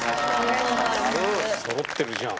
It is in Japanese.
そろってるじゃん。